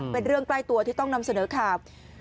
เป็นเรื่องใกล้ตัวที่ต้องนำเสนอข่าว